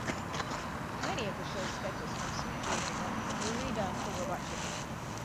Many of the show's sketches from "Sweet J Presents" were redone for "Robot Chicken".